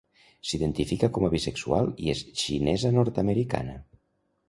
S'identifica com a bisexual i és xinesa nord-americana.